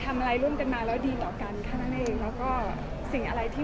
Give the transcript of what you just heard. ไม่เป็นไรเรารู้ว่าเราทำอะไรอยู่